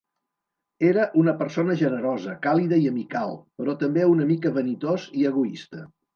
Era una persona generosa, càlida i amical, però també una mica vanitós i egoista.